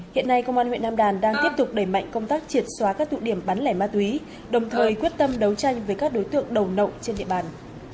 hiện nay công an huyện nam đàn đang tiếp tục đẩy mạnh công tác triệt xóa các tụ điểm bán lẻ ma túy đồng thời quyết tâm đấu tranh với các đối tượng đầu nậu trên địa bàn